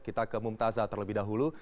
kita ke mumtazah terlebih dahulu